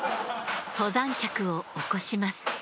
登山客を起こします。